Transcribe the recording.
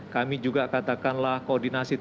kami juga katakanlah koordinasi